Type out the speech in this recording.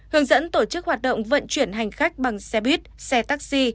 hướng dẫn tổ chức hoạt động vận chuyển hành khách bằng xe buýt xe taxi